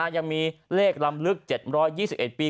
ยังมีเลขลำลึก๗๒๑ปี